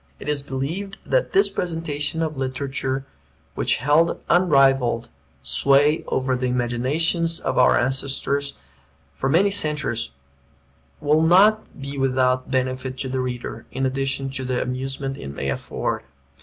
It is believed that this presentation of a literature which held unrivalled sway over the imaginations of our ancestors, for many centuries, will not be without benefit to the reader, in addition to the amusement it may afford.